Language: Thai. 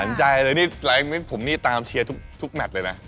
ใจเลยนี่ผมนี่ตามเชียร์ทุกแมทเลยนะ